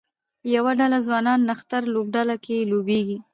یوه ډله ځوانان نښتر لوبډله کې لوبیږي